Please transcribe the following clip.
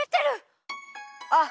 あっ！